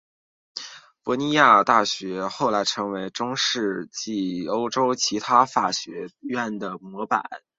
博洛尼亚大学后来也成为了中世纪欧洲其他法学院的模板。